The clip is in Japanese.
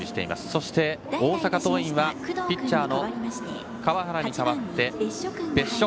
そして大阪桐蔭はピッチャーの川原に代わって別所。